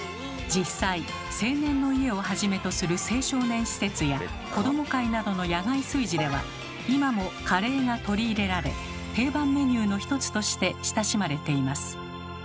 実際「青年の家」をはじめとする青少年施設や子供会などの野外炊事では今もカレーが取り入れられ定番メニューの一つとして親しまれています。